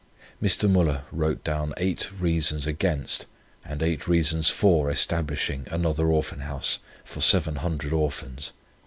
Mr. Müller wrote down eight reasons against and eight reasons for establishing another Orphan House for Seven Hundred Orphans.